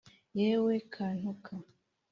yewe kantuka